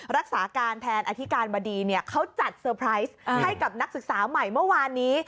รักษาการแทนอธิการบดีเขาจัดเซอร์ไพรส์ให้กับนักศึกษาใหม่เมื่อวานนี้